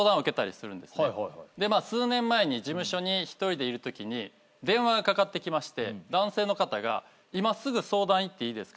でまあ数年前に事務所に１人でいるときに電話がかかってきまして男性の方が「今すぐ相談行っていいですか？」